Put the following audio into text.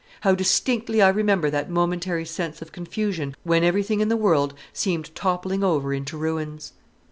How distinctly I remember that momentary sense of confusion when everything in the world seemed toppling over into ruins.